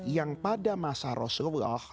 yang pada masa rasulullah